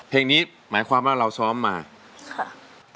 เพลงนี้หมายความว่าเราซ้อมมาค่ะ